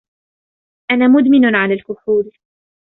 أنا مدمن علی الكحول